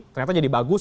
ternyata jadi bagus